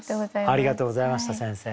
ありがとうございました先生。